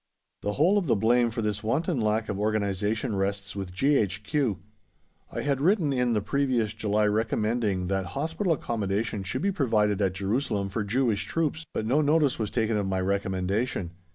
The whole of the blame for this wanton lack of organisation rests with G.H.Q. I had written in the previous July recommending that hospital accommodation should be provided at Jerusalem for Jewish troops, but no notice was taken of my recommendation.